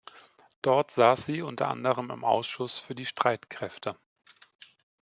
Dort saß sie unter anderem im Ausschuss für die Streitkräfte.